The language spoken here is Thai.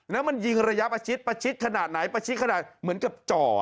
แล้วมันยิงระยะประชิดประชิดขนาดไหนประชิดขนาดเหมือนกับจ่อ